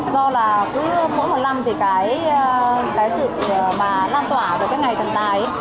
do là cứ mỗi một năm thì cái sự mà lan tỏa về các ngày thần tài